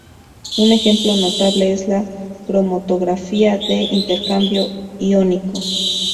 Un ejemplo notable es la cromatografía de intercambio iónico.